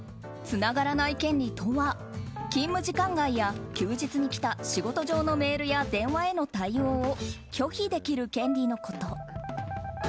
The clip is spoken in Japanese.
つながらない権利とは勤務時間外や休日に来た仕事上のメールや電話への対応を拒否できる権利のこと。